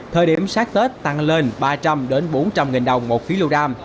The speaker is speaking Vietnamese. thời điểm sát tết tăng lên ba trăm linh bốn trăm linh nghìn đồng một phí lưu đam